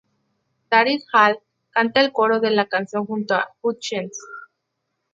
Daryl Hall canta el coro de la canción junto a Hutchence.